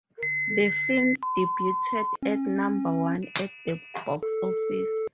The film debuted at number one at the box office.